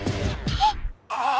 あっ！